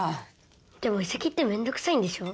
でも移籍ってめんどくさいんでしょ？